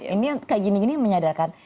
ini yang kayak gini gini menyadarkan